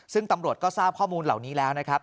ซึ่งตำรวจก็ทราบข้อมูลเหล่านี้แล้วนะครับ